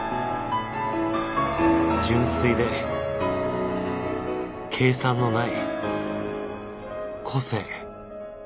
純粋で計算のない個性